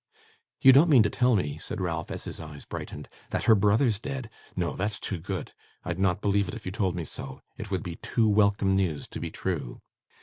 'You don't mean to tell me,' said Ralph, as his eyes brightened, 'that her brother's dead? No, that's too good. I'd not believe it, if you told me so. It would be too welcome news to be true.